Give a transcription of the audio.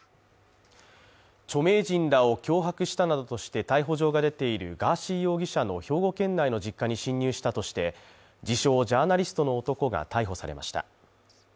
著名人らを脅迫したなどとして逮捕状が出ているガーシー容疑者の兵庫県内の実家に侵入したとして自称ジャーナリストの男が逮捕されました。